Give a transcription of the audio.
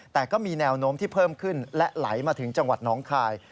แต่ก็มีแนวโน้มที่เพิ่มขึ้นและไหลมาถึงจังหวัดน้องคาย